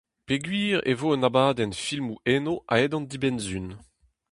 Peogwir e vo un abadenn filmoù eno a-hed an dibenn-sizhun.